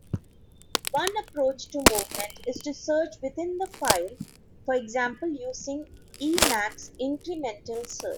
One approach to movement is to search within the file, for example using Emacs incremental search.